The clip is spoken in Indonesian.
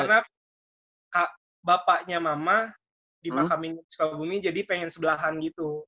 karena bapaknya mama di makamin sukabumi jadi pengen sebelahan gitu